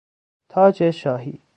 تاج شاهی